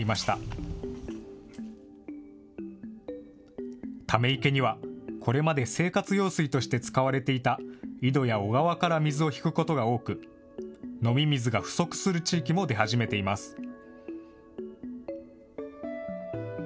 ため池には、これまで生活用水として使われていた井戸や小川から水を引くことが多く、飲み水が不足する地域も出始めています。